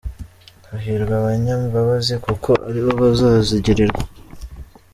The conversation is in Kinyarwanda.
Hahirwa abanyambabazi, Kuko ari bo bazazigirirwa